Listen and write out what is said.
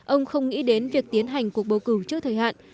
ông không nghĩ đến việc tiến hành cuộc bầu cử trước thời hạn